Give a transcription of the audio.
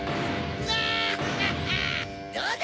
どうだ！